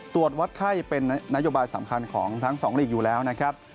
ตรวจวัดไข้เป็นนโยบายสำคัญของทั้งสองลีกอยู่แล้วนะครับ